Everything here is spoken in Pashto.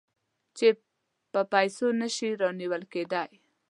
چې په پیسو نه شي رانیول کېدای.